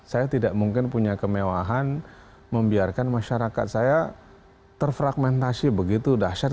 saya tidak mungkin punya kemewahan membiarkan masyarakat saya terfragmentasi begitu dahsyat